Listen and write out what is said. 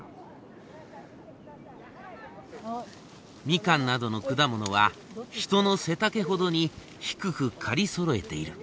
ミカンなどの果物は人の背丈ほどに低く刈りそろえている。